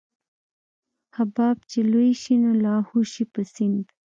حباب چې لوى شي نو لاهو شي په سيند.